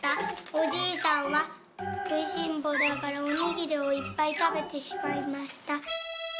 おじいさんはくいしんぼうだからおにぎりをいっぱいたべてしまいました」。